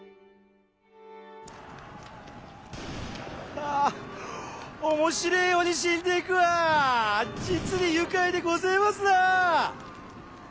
ああ面白えように死んでいくわ実に愉快でごぜますなあ！